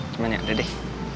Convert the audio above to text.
cuman ya udah deh